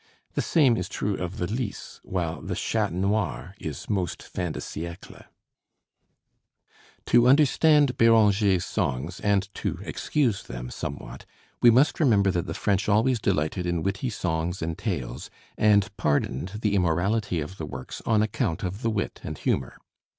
The same is true of the Lice, while the Chat Noir is most fin de siècle. To understand Béranger's songs and to excuse them somewhat, we must remember that the French always delighted in witty songs and tales, and pardoned the immorality of the works on account of the wit and humor.